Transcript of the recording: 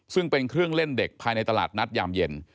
ซึ่งเป็นเครื่องเล่นเด็กภายในตลาดนัดยามเย็น